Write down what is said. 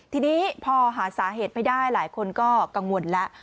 ทีนี้พอหาสาเหตุไม่ได้หลายคนก็กังวลแล้ว